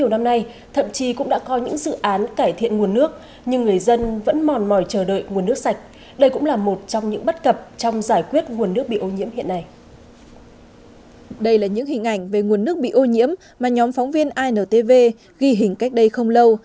đây là những hình ảnh về nguồn nước bị ô nhiễm mà nhóm phóng viên intv ghi hình cách đây không lâu